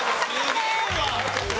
すげえわ！